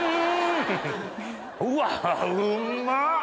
うわうんまっ！